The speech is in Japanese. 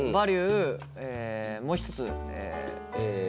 もう一つ。